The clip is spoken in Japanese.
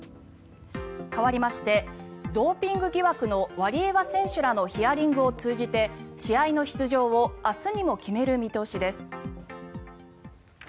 かわりましてドーピング疑惑のワリエワ選手らのヒアリングを通じて試合の出場を明日にも決める見通しです。